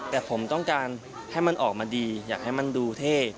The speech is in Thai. แต่ผมต้องการให้มันออกมาดีอยากให้มันดูเท่